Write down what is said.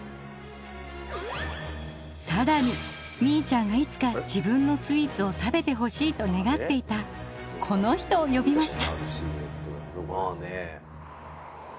さらにみいちゃんがいつか自分のスイーツを食べてほしいと願っていたこの人を呼びました。